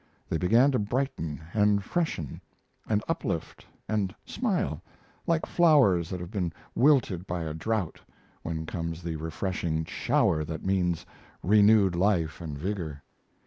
They began to brighten and freshen, and uplift and smile, like flowers that have been wilted by a drought when comes the refreshing shower that means renewed life and vigor.